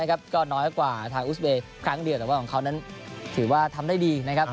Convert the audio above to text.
ก็น้อยกว่าทางอุสเบย์ครั้งเดียวแต่ว่าของเขานั้นถือว่าทำได้ดีนะครับ